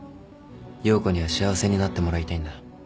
葉子には幸せになってもらいたいんだ